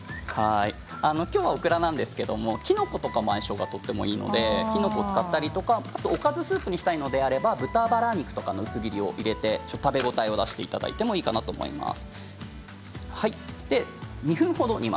きょうはオクラなんですけどきのことかも相性がとてもいいのできのこを使ったりとかおかずスープにしたいのであれば豚バラ肉とかの薄切りを入れて食べ応えを出していただいてもいいと思います。